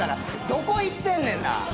どこ行ってんねんな。